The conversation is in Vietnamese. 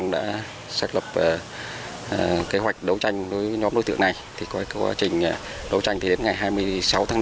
đã xác lập kế hoạch đấu tranh với nhóm đối tượng này thì qua quá trình đấu tranh thì đến ngày hai mươi sáu tháng năm